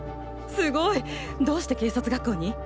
すごい。どうして警察学校に？